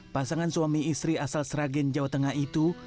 pasangan suami istri asal sragen jawa tengah itu